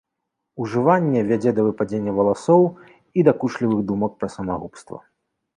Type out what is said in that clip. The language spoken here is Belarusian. Ужыванне вядзе да выпадзення валасоў і дакучлівых думак пра самагубства.